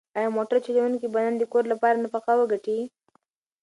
ایا موټر چلونکی به نن د کور لپاره نفقه وګټي؟